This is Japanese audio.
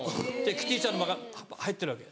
キティちゃんが入ってるわけ。